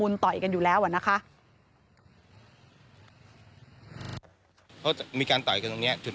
เนี่ยค่ะแล้วก็มีผู้ที่เห็นเหตุการณ์เขาก็เล่าให้ฟังเหมือนกันนะครับ